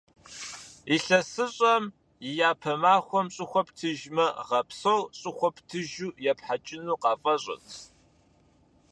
ИлъэсыщӀэм и япэ махуэм щӀыхуэ птыжмэ, гъэ псор щӀыхуэ птыжу епхьэкӀыну къафӀэщӏырт.